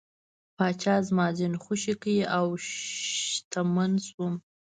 پاچا زما زین خوښ کړ او شتمن شوم.